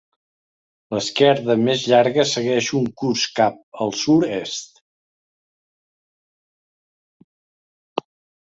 L'esquerda més llarga segueix un curs cap al sud-est.